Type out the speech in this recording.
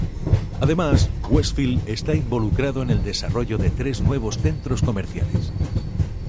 Además, Westfield está involucrado en el desarrollo de tres nuevos centros comerciales.